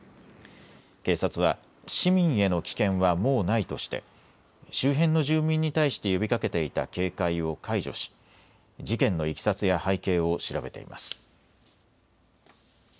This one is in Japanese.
警察は市民への危険はもうないとして周辺の住民に対して呼びかけていた警戒を解除し事件のいきさつや背景を調べています。